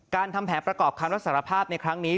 ทำแผนประกอบคำรับสารภาพในครั้งนี้